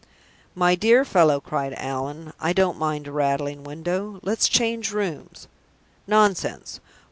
"My dear fellow!" cried Allan, "I don't mind a rattling window. Let's change rooms. Nonsense!